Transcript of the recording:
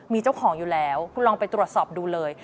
มีเจ้าของอยู่แล้วคุณลองไปตรวจสอบดูเลย